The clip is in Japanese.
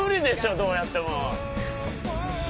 どうやっても。